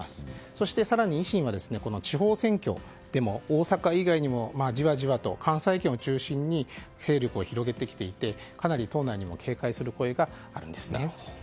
そして、更に維新は地方選挙でも大阪以外にもじわじわと関西圏を中心に勢力を広げてきていて党内にも警戒する声があるんです。